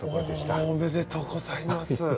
おめでとうございます。